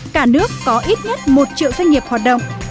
cả nước có ít nhất một triệu doanh nghiệp hoạt động